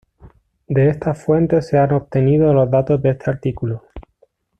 De estas fuentes se han obtenido los datos de este artículo.